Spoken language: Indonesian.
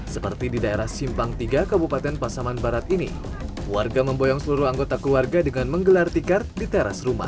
seperti di daerah simpang tiga kabupaten pasaman barat ini warga memboyong seluruh anggota keluarga dengan menggelar tikar di teras rumah